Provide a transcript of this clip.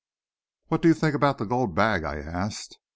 "What do you think about the gold bag?" I asked.